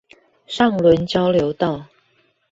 上崙交流道